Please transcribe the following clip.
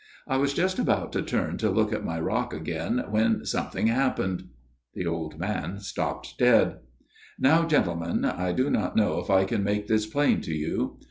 " I was just about to turn to look at my rock again, when something happened." The old man stopped dead. " Now, gentlemen, I do not know if I can make this plain to you.